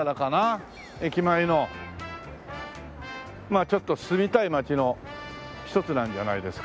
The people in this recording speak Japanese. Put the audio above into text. まあちょっと住みたい街の一つなんじゃないですか？